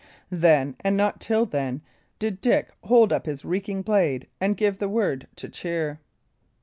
Then, and not till then, did Dick hold up his reeking blade and give the word to cheer.